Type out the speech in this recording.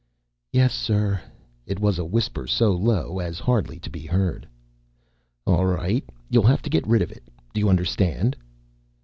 "Yes, sir." It was a whisper so low as hardly to be heard. "All right, you'll have to get rid of it. Do you understand?"